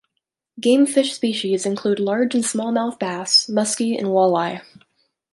Game fish species include large and small mouth bass, muskie, and walleye.